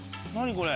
これ。